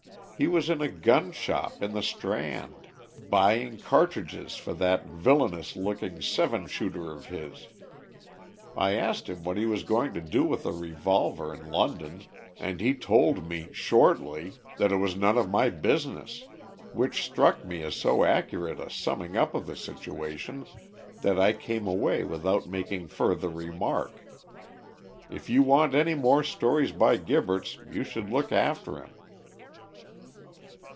He was in a gun shop in the Strand, buying cartridges for that villainous looking seven shooter of his. I asked him what he was going to do with a revolver in London, and he told me, shortly, that it was none of my business, which struck me as so accurate a summing up of the situation, that I came away without making further remark. If you want any more stories by Gibberts, you should look after him."